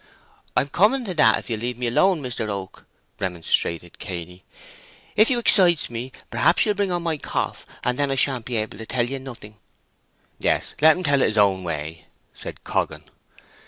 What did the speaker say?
"I'm coming to that, if you'll leave me alone, Mister Oak!" remonstrated Cainy. "If you excites me, perhaps you'll bring on my cough, and then I shan't be able to tell ye nothing." "Yes—let him tell it his own way," said Coggan.